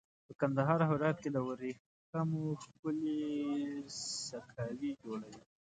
په کندهار او هرات کې له وریښمو ښکلي سکوي جوړوي.